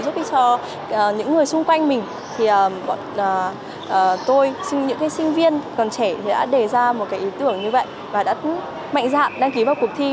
giúp cho những người xung quanh mình thì bọn tôi những sinh viên còn trẻ đã đề ra một cái ý tưởng như vậy và đã mạnh dạn đăng ký vào cuộc thi